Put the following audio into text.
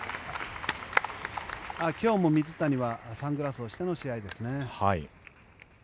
今日も水谷はサングラスをしての試合ですね。